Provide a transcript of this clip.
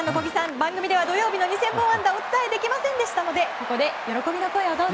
番組では２０００本安打をお伝えできませんでしたのでここで喜びの声をどうぞ。